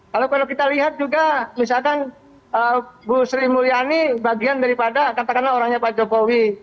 kalau kita lihat juga misalkan bu sri mulyani bagian daripada katakanlah orangnya pak jokowi